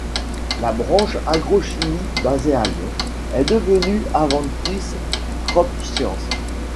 La branche agrochimie basée à Lyon, est devenue Aventis CropScience.